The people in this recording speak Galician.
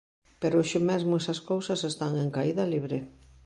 Pero hoxe mesmo esas cousas están en caída libre.